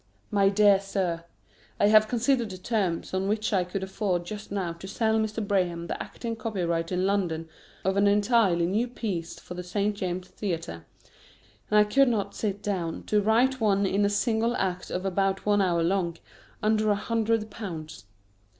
_ MY DEAR SIR, I have considered the terms on which I could afford just now to sell Mr. Braham the acting copyright in London of an entirely new piece for the St. James's Theatre; and I could not sit down to write one in a single act of about one hour long, under a hundred pounds.